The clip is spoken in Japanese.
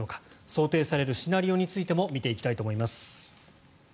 想定されるシナリオについても見ていきたいと思います。